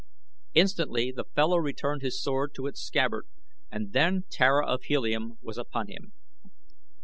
Instantly the fellow returned his sword to its scabbard and then Tara of Helium was upon him.